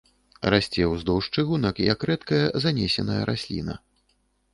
Расце ўздоўж чыгунак як рэдкая занесеная расліна.